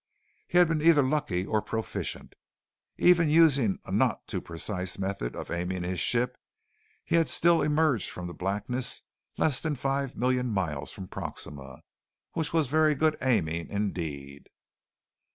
He had been either lucky or proficient. Even using a not too precise method of aiming his ship, he had still emerged from the blackness less than five million miles from Proxima, which was very good aiming indeed.